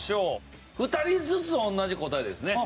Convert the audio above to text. ２人ずつ同じ答えですね。